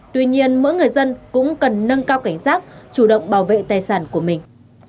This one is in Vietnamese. tuy nhiên mỗi người dân cũng cần nâng cao cảnh giác chủ động bảo vệ tài sản của mình